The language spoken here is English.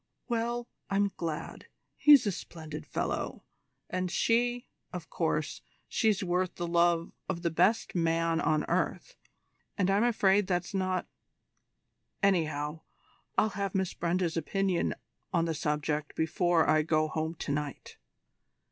"Well, I'm glad. He's a splendid fellow; and she of course, she's worth the love of the best man on earth and I'm afraid that's not anyhow, I'll have Miss Brenda's opinion on the subject before I go home to night."